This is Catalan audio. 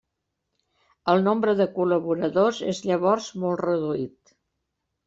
El nombre de col·laboradors és llavors molt reduït.